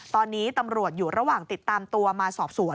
ตอนนี้ตำรวจอยู่ระหว่างติดตามตัวมาสอบสวน